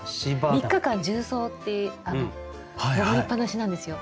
３日間縦走って登りっぱなしなんですよ。